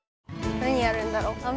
何やるんだろう？